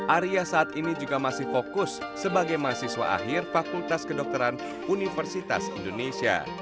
arya saat ini juga masih fokus sebagai mahasiswa akhir fakultas kedokteran universitas indonesia